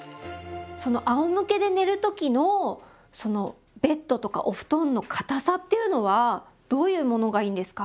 そのあおむけで寝る時のベッドとかお布団の硬さっていうのはどういうものがいいんですか？